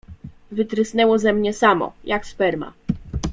Wytrysnęło ze mnie samo, jak sperma.